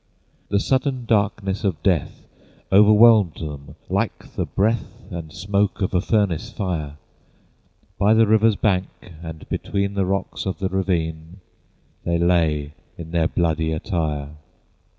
The sudden darkness of death Overwhelmed them like the breath And smoke of a furnace fire: By the river's bank, and between The rocks of the ravine, They lay in their bloody attire.